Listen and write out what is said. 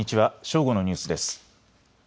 正午のニュースです。